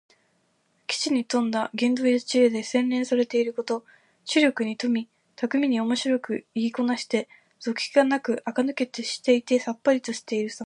機知に富んだ言動や知恵で、洗練されていること。知力に富み、巧みにおもしろく言いこなして、俗気がなくあかぬけしていてさっぱりとしているさま。